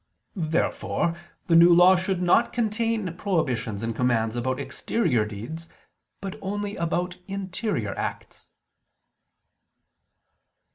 Therefore the New Law should not contain prohibitions and commands about exterior deeds, but only about interior acts.